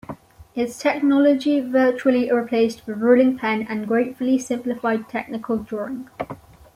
Its technology virtually replaced the ruling pen and greatly simplified technical drawing.